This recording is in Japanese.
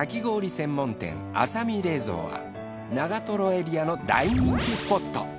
専門店阿左美冷蔵は長エリアの大人気スポット。